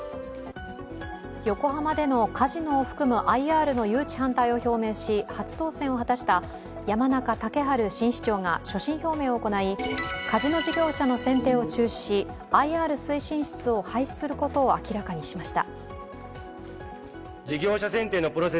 横浜でのカジノを含むＩＲの誘致反対を表明し初当選を果たした山中竹春新市長が初心表明を行いカジノ事業者の選定を中止し、ＩＲ推進室を廃止することを明らかにしました。